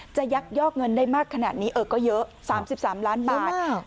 ยักยอกเงินได้มากขนาดนี้เออก็เยอะ๓๓ล้านบาท